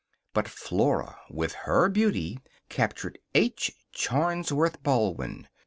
But Flora, with her beauty, captured H. Charnsworth Baldwin.